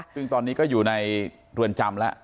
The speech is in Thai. ซึ่งตอนนี้ก็อยู่ในเรือนจำแล้ว